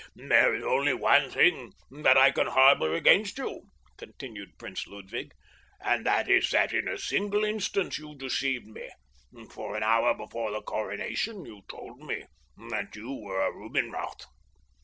"There is only one thing that I can harbor against you," continued Prince Ludwig, "and that is that in a single instance you deceived me, for an hour before the coronation you told me that you were a Rubinroth."